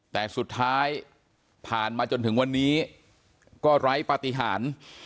แต่สุดท้ายผ่านมาจนถึงวันนี้ก็ไร้ปฏิหาร